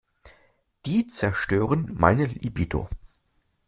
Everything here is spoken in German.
Die zerstören meine Libido.